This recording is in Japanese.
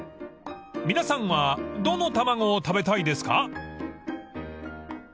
［皆さんはどの卵を食べたいですか？］